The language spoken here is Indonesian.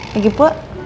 ya gitu pak